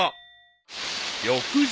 ［翌日］